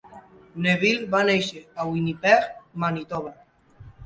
Neville va néixer a Winnipeg, Manitoba